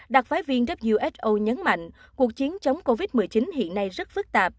đặc phái viên wso nhấn mạnh cuộc chiến chống covid một mươi chín hiện nay rất phức tạp